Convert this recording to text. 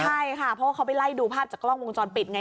ใช่ค่ะเพราะว่าเขาไปไล่ดูภาพจากกล้องวงจรปิดไง